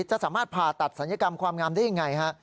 จะสามารถผ่าตัดศัลยกรรมความงามได้ยังไงฮะ